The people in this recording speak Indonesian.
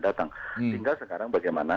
datang hingga sekarang bagaimana